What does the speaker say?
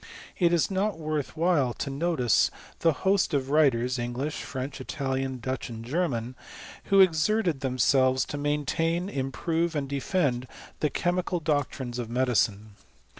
It is not worth while to notice the host of wrilers— I Bngliah, French, Italian, Dutch, and German, who i exerted themselves to maintain, improve, and defend, the chemical doctrines of medicine.